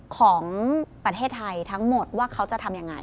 ของประเทศไทยทั้งหมดว่าเขาจะทำยังไง